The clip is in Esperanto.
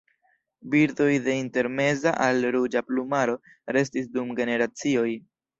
Birdoj de intermeza al ruĝa plumaro restis dum generacioj.